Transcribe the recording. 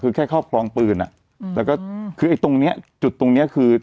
คือแค่ครอบครองปืนอ่ะอืมแล้วก็คือไอ้ตรงเนี้ยจุดตรงเนี้ยคือ